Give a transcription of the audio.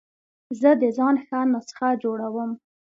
زه د ځان ښه نسخه جوړوم.